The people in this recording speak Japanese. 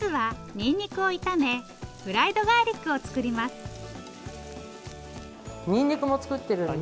にんにくも作っているので。